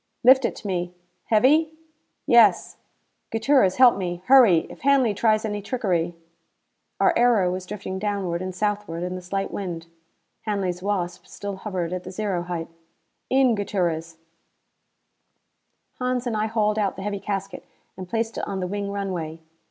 "Lift it to me. Heavy?" "Yes." "Gutierrez, help me. Hurry! If Hanley tries any trickery " Our aero was drifting downward and southward in the slight wind. Hanley's Wasp still hovered at the zero height. "In, Gutierrez." Hans and I hauled out the heavy casket and placed it on the wing runway.